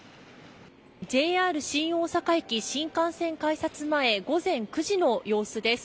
ＪＲ新大阪駅新幹線改札前午前９時の様子です。